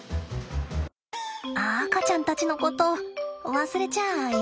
赤ちゃんたちのこと忘れちゃあいませんか？